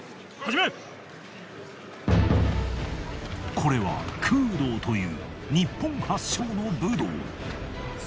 これは空道という日本発祥の武道。